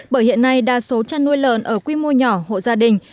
bởi hiện nay đa số chăn nuôi lợn ở quy mô nhỏ hộ gia đình